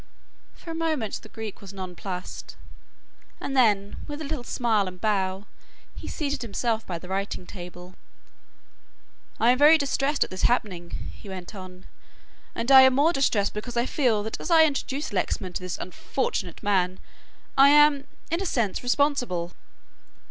For a moment the Greek was nonplussed and then, with a little smile and bow, he seated himself by the writing table. "I am very distressed at this happening," he went on, "and I am more distressed because I feel that as I introduced Lexman to this unfortunate man, I am in a sense responsible."